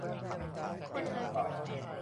ไม่ฟูมฟาย